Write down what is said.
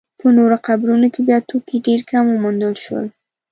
په نورو قبرونو کې بیا توکي ډېر کم وموندل شول.